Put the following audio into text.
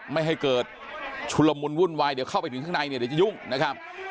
ไม่ให้เกิดชุลมุนวุ่นวายเดี๋ยวเข้าไปถึงข้างในเนี่ยเดี๋ยวจะยุ่งนะครับ